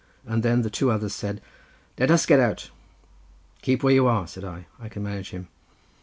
And then the two others said— "'Let us get out!' "'Keep where you are,' said I, 'I can manage him.